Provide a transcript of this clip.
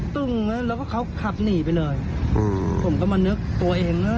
ตึ้งแล้วแล้วก็เขาขับหนีไปเลยผมก็มานึกตัวเองนะ